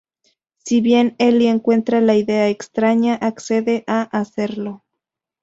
Si bien Eli encuentra la idea extraña, accede a hacerlo.